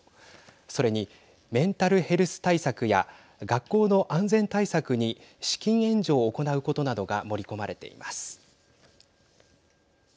それに、メンタルヘルス対策や学校の安全対策に資金援助を行うことなどが盛り込まれています。